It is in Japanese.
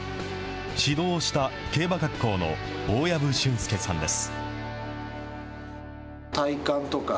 指導した競馬学校の大藪俊介さんです。